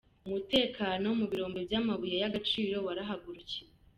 Umutekano mu birombe by’amabuye y’agaciro warahagurukiwe